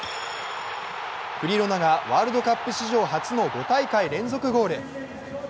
クリロナがワールドカップ史上初の５大会連続ゴール。